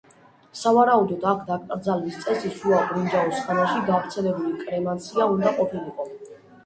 სავარაუდოდ, აქ დაკრძალვის წესი შუა ბრინჯაოს ხანაში გავრცელებული კრემაცია უნდა ყოფილიყო.